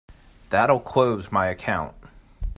That'll close my account.